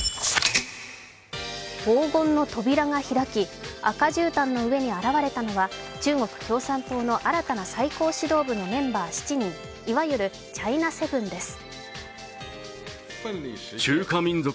黄金の扉が開き赤じゅうたんの上に現れたのは中国共産党の新たな最高指導部のメンバー７人、いわゆるチャイナセブンです。